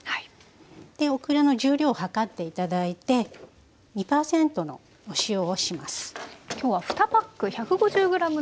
オクラの重量を量って頂いて２％のお塩をします。